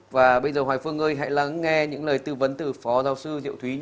và bây giờ hoài phương ơi hãy lắng nghe những lời tư vấn từ phó giáo sư diệu thúy